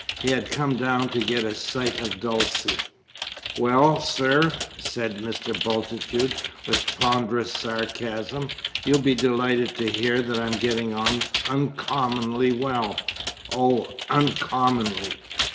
He had come down to get a sight of Dulcie. "Well, sir," said Mr. Bultitude, with ponderous sarcasm, "you'll be delighted to hear that I'm getting on uncommonly well oh, uncommonly!